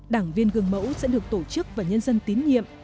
đảng viên gương mẫu sẽ được tổ chức và nhân dân tín nhiệm